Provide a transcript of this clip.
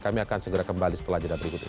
kami akan segera kembali setelah jeda berikut ini